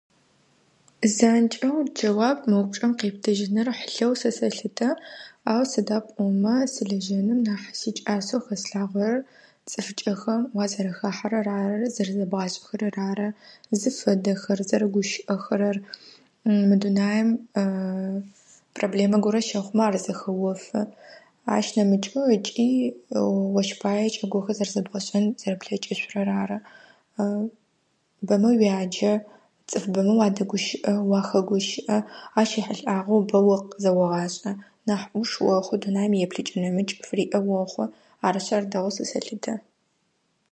Занкӏэу джэуап мы упчъэм къептыжьыныр хьылъэу сэ сэлъытэ. Ау сыда пӏомэ сылэжьэным нахь сикӏасэу хэслъагъорэр, цӏыфыкӏэхэм уазэрэхахьэрэр ары, зэрэзэбгъашӏэхэрэр ары. Зыфэдэхэр, зэрэгущыӏэхэрэр. Мы дунаем проблемэ горэ щэхъумэ ар зэхэофы. Ащ нэмыкӏэу ыкӏи ощ пае кӏэгохэ зэрэзэбгъэшӏэн зэрэ плъэкӏышъурэ ары. Бэмэ уяджэ, цӏыф бэмэ уадэгущыӏэ, уахэгущыӏэ. Ащ ехьылӏагъэу бо къызэогъашӏэ. Нахь ӏуш охъу, дунаем и еплъыкӏи нэмыкӏ фыриӏэ охъу. Арышъы, ар дэгъоу сэ сэлъытэ.